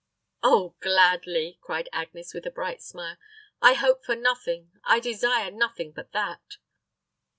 "Oh gladly," cried Agnes, with a bright smile. "I hope for nothing, I desire nothing but that."